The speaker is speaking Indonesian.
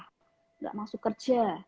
tidak masuk kerja